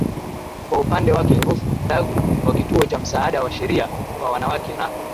Kwa upande wake Ruth Ndagu wa Kituo cha Msaada wa Sheria kwa Wanawake na